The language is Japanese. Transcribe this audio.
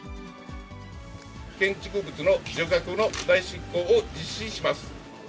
建築物の除却の代執行を実施します。